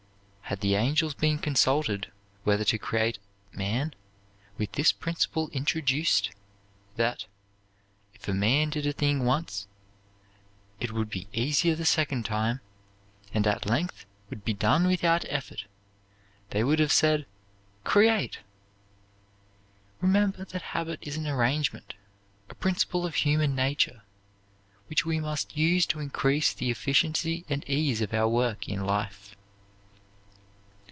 Had the angels been consulted, whether to create man, with this principle introduced, that, if a man did a thing once, if would be easier the second time, and at length would be done without effort, they would have said, "Create!" Remember that habit is an arrangement, a principle of human nature, which we must use to increase the efficiency and ease of our work in life.